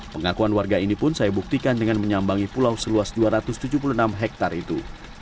pengakuan warga ini pun saya buktikan dengan menyambangi pulau seluas dua ratus tujuh puluh enam hektare itu